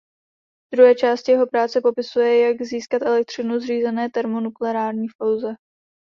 V druhé části jeho práce popisuje jak získat elektřinu z řízené termonukleární fúze.